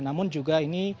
namun juga ini